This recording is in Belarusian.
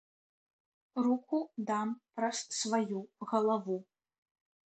Руку дам праз сваю галаву.